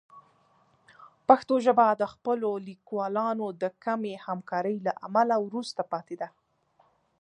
پښتو ژبه د خپلو لیکوالانو د کمې همکارۍ له امله وروسته پاتې ده.